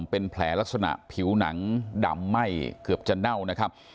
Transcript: เป็นแผลลักษณะผิวหนังดำไหม้เกือบจะเน่านะครับ